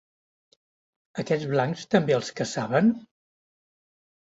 Aquests blancs també els caçaven?